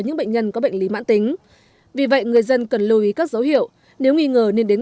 những bệnh nhân vào viện khi đã có các biến chứng của bệnh hoặc có các dấu hiệu cảnh báo nguy hiểm